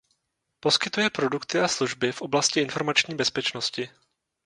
Poskytuje produkty a služby v oblasti informační bezpečnosti.